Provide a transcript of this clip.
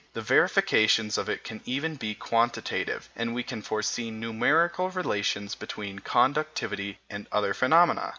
The verifications of it can even be quantitative, and we can foresee numerical relations between conductivity and other phenomena.